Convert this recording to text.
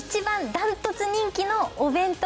ダントツ人気のお弁当？